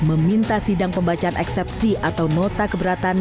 meminta sidang pembacaan eksepsi atau nota keberatan